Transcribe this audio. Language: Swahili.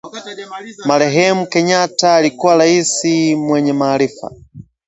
Marehemu kenyatta alikuwa rais mwenye maarifa